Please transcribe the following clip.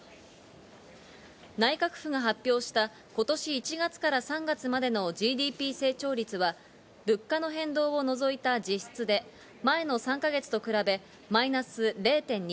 内閣府が発表した今年１月から３月までのＧＤＰ成長率は、物価の変動を除いた実質で前の３か月と比べマイナス０．２％。